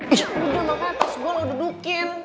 ih jangan makan atas gue lo dudukin